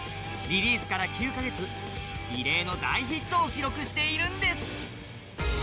リリースから９カ月異例の大ヒットを記録しているんです。